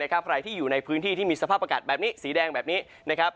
ใครที่อยู่ในพื้นที่ที่มีสภาพอากาศแบบนี้สีแดงแบบนี้นะครับ